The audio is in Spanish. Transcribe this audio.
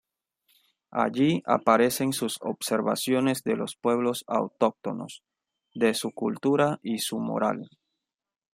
Allí aparecen sus observaciones de los pueblos autóctonos, de su cultura y su moral.